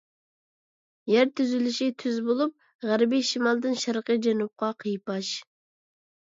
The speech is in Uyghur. يەر تۈزۈلۈشى تۈز بولۇپ، غەربىي شىمالدىن شەرقىي جەنۇبقا قىيپاش.